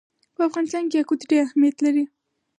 په افغانستان کې یاقوت ډېر اهمیت لري.